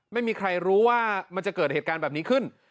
ไม่มีใครรู้ว่ามันจะเกิดเหตุการณ์แบบนี้ขึ้น